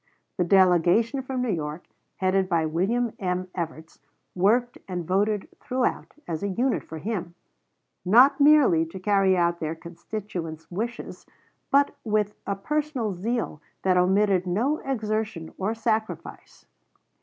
The delegation from New York, headed by William M. Evarts, worked and voted throughout as a unit for him, not merely to carry out their constituents' wishes, but with, a personal zeal that omitted no exertion or sacrifice.